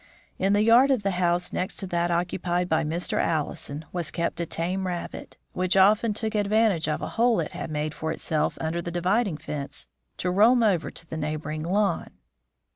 In the yard of the house next to that occupied by Mr. Allison was kept a tame rabbit, which often took advantage of a hole it had made for itself under the dividing fence to roam over the neighboring lawn.